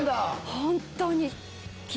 本当に。